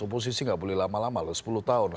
oposisi nggak boleh lama lama loh sepuluh tahun